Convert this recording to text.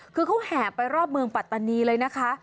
คือเขาแห่ไปรอบเมืองปัตตานีเลยนะคะ